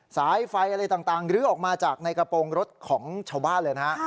สายไฟอะไรต่างลื้อออกมาจากในกระโปรงรถของชาวบ้านเลยนะฮะ